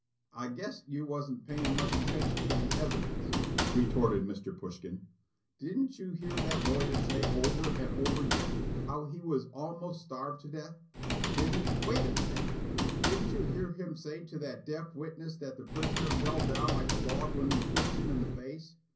"I guess you wasn't paying much attention to the evidence," retorted Mr. Pushkin. "Didn't you hear that lawyer say, over and over yet, how he was almost starved to death? Didn't Wait a minute! didn't you hear him say to that deaf witness that the prisoner fell down like a log when he push him in the face?